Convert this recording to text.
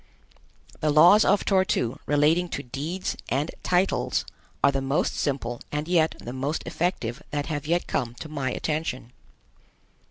The laws of Tor tu relating to deeds and titles are the most simple and yet the most effective that have yet come to my attention.